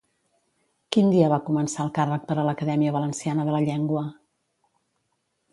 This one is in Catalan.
Quin dia va començar el càrrec per a l'Acadèmia Valenciana de la Llengua?